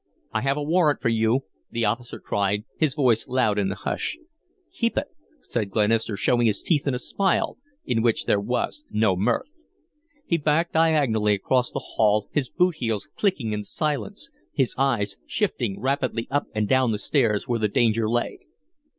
"I have a warrant for you," the officer cried, his voice loud in the hush. "Keep it," said Glenister, showing his teeth in a smile in which there was no mirth. He backed diagonally across the hall, his boot heels clicking in the silence, his eyes shifting rapidly up and down the stairs where the danger lay.